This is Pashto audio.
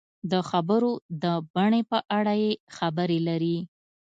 د خبرو د بڼې په اړه یې خبرې لري.